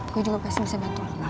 gue juga pasti bisa bantu